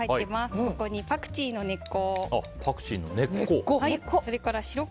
ここにパクチーの根っこ。